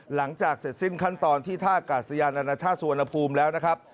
หลังจากเสร็จสิ้นขั้นตอนที่ท่ากาศยานานาชาติสุวรรณภูมิแล้วนะครับ